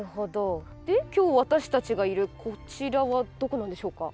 今日、私たちがいるこちらはどこなんでしょうか？